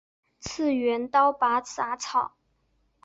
次元刀拔杂草